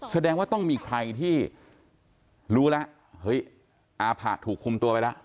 แสดงว่าต้องมีใครที่รู้แล้วเฮ้ยอาผะถูกคุมตัวไปแล้ว